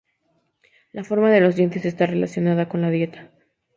La forma de los dientes está relacionada con la dieta.